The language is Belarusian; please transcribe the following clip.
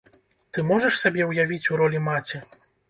Ты можаш сябе ўявіць у ролі маці?